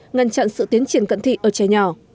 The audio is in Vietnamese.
ngăn chặn sự tiến triển cận thị ở trẻ nhỏ